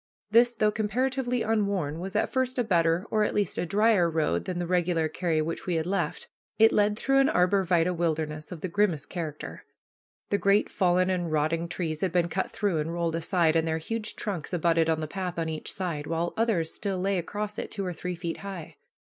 This, though comparatively unworn, was at first a better, or, at least, a dryer road than the regular carry which we had left. It led through an arbor vitæ wilderness of the grimmest character. The great fallen and rotting trees had been cut through and rolled aside, and their huge trunks abutted on the path on each side, while others still lay across it two or three feet high.